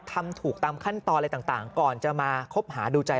ทำถูกตามขั้นตอนอะไรต่างก่อนจะมาคบหาดูใจ